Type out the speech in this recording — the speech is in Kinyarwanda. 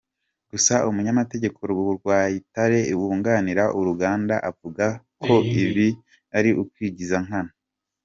Gusa umunyamategeko Rwayitare wunganira uruganda akavuga ko ibi ari ukwigiza nkana.